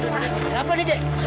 gak apa apa dede